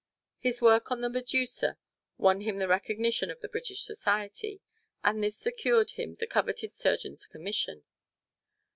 His work on the Medusa won him the recognition of the British Society, and this secured him the coveted surgeon's commission.